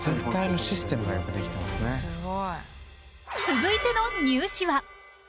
続いてのニュー試は。